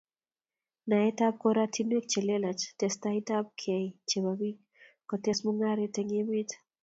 Naet ab koratinwek che lelach testaiab kei chebo piik kotese mungaret eng' emet